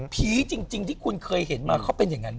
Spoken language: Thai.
จริงที่คุณเคยเห็นมาเขาเป็นอย่างนั้น